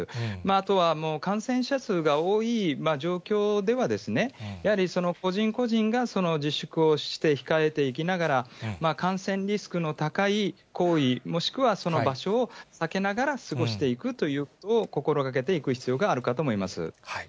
あとは、感染者数が多い状況では、やはり個人個人が自粛をして、控えていきながら、感染リスクの高い行為、もしくはその場所を避けながら過ごしていくということを心がけていく必要があるかと思います。